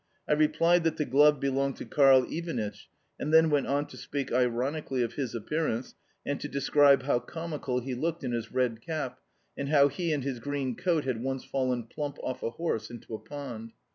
I replied that the glove belonged to Karl Ivanitch, and then went on to speak ironically of his appearance, and to describe how comical he looked in his red cap, and how he and his green coat had once fallen plump off a horse into a pond.